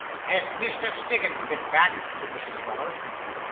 'Has Mr. Stiggins been back?' said Mrs. Weller.